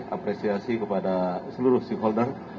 apresiasi kepada seluruh stakeholder